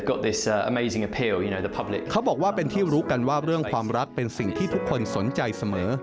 เขาบอกว่าเป็นที่รู้กันว่าเรื่องความรักเป็นสิ่งที่ทุกคนสนใจเสมอ